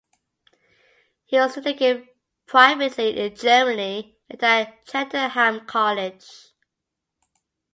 He was educated privately in Germany and at Cheltenham College.